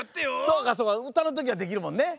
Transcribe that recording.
そうかそうかうたのときはできるもんね。